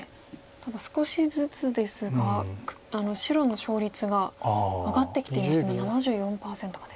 ただ少しずつですが白の勝率が上がってきていまして今７４％まで。